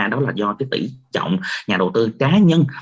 đó là do cái tỷ trọng nhà đầu tư cá nhân